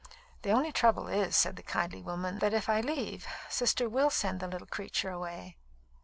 "The only trouble is," said the kindly woman, "that if I leave, sister will send the little creature away."